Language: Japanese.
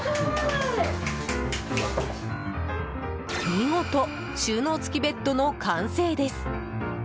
見事、収納付きベッドの完成です。